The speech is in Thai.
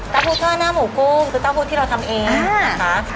ผู้ช่อหน้าหมูกุ้งคือเต้าหู้ที่เราทำเองนะคะ